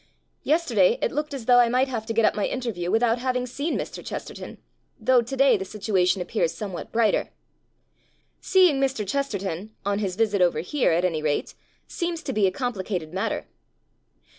Yesterday it looked as though I might have to get up my interview without having seen Mr. Chesterton. Though today the situation appears somewhat brighter. "Seeing" Mr. Chesterton (on his visit over here, at any rate) seems to be a complicated matter.